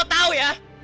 lo tau ya